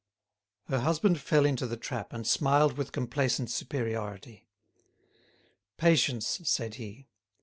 Her husband fell into the trap, and smiled with complacent superiority. "Patience," said he.